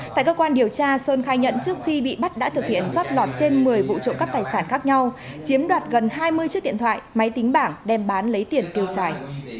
tại cơ quan điều tra sơn khai nhận trước khi bị bắt đã thực hiện chót lọt trên một mươi vụ trộm cắp tài sản khác nhau chiếm đoạt gần hai mươi chiếc điện thoại máy tính bảng đem bán lấy tiền tiêu xài